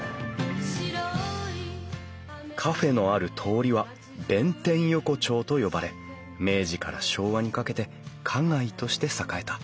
カフェのある通りは弁天横丁と呼ばれ明治から昭和にかけて花街として栄えた。